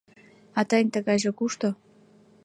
— А тыйын тыгайже кушто?